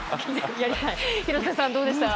廣瀬さん、どうでした？